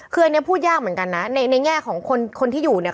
คืออันนี้พูดยากเหมือนกันนะในแง่ของคนที่อยู่เนี่ย